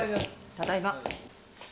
ただいま。